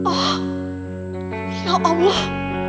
oh ya allah